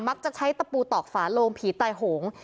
จะใช้ตะปูตอกฝาโลงผีตายโหง